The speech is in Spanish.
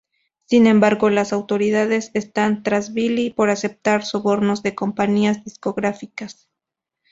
Sin embargo, las autoridades están tras Billy por aceptar sobornos de compañías discográficas.